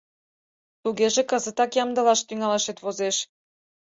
— Тугеже кызытак ямдылаш тӱҥалашет возеш.